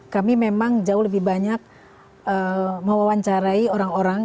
kami memang jauh lebih banyak mewawancarai orang orang